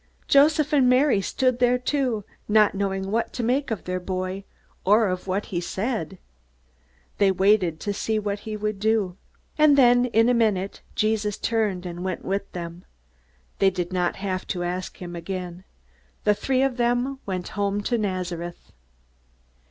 Joseph and Mary stood there too, not knowing what to make of their boy or of what he said. They waited to see what he would do. And then, in a minute, Jesus turned and went with them. They did not have to ask him again. The three of them went home to Nazareth.